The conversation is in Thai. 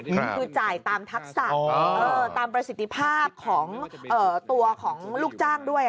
คือจ่ายตามทักษะตามประสิทธิภาพของตัวของลูกจ้างด้วย